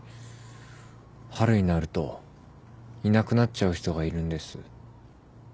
春になるといなくなっちゃう人がいるんです。